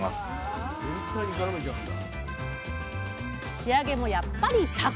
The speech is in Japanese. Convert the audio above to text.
仕上げもやっぱりタコ！